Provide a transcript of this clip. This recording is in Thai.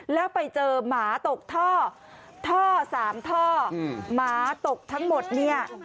แล้วไปเจอหมาตกท่อท่อสามท่อหมาตกทั้งหมดเนี่ย